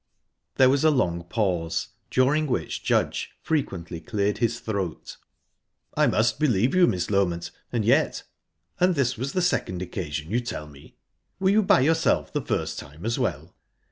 There was a long pause, during which Judge frequently cleared his throat. "I must believe you, Miss Loment, and yet...And this was the second occasion, you tell me? Were you by yourself the first time as well?"